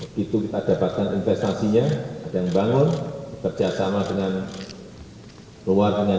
begitu kita dapatkan investasinya ada yang bangun bekerja sama dengan luar dengan